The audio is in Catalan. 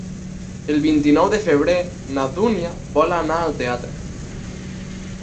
El vint-i-nou de febrer na Dúnia vol anar al teatre.